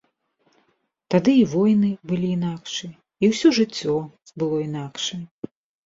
Тады і войны былі інакшыя, і ўсё жыццё было інакшае.